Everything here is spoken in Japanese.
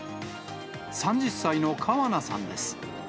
３０歳の川名さんです。